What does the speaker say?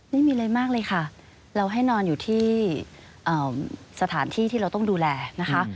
ไม่มีอะไรมากเลยค่ะเราให้นอนอยู่ที่สถานที่ที่เราต้องดูแลนะคะ